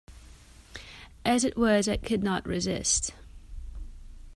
As it was I could not resist.